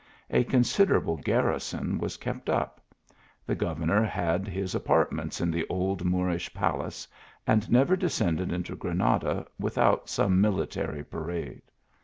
A considerable garrison was kept up ; the governor had his apartments in the old Moorish palace, and never descended into Granada without some mili tary parade.